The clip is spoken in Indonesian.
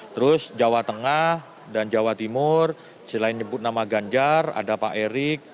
terus jawa tengah dan jawa timur selain nyebut nama ganjar ada pak erik